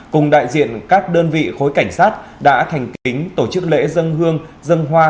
cùng đại diện các đơn vị khối cảnh sát đã thành kính tổ chức lễ dân hương dân hoa